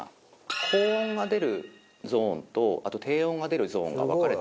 高温が出るゾーンとあと低温が出るゾーンが分かれてまして。